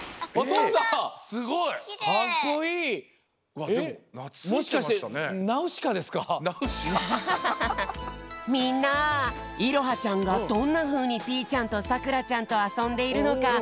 えっもしかしてみんないろはちゃんがどんなふうにピーちゃんとさくらちゃんとあそんでいるのかみてみよう！